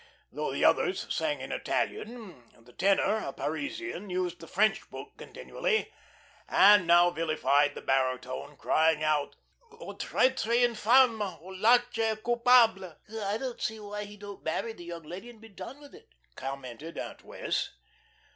Though the others sang in Italian, the tenor, a Parisian, used the French book continually, and now villified the baritone, crying out: "O traitre infame O lache et coupable" "I don't see why he don't marry the young lady and be done with it," commented Aunt Wess'.